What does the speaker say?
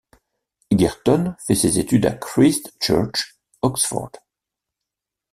Egerton fait ses études à Christ Church, Oxford.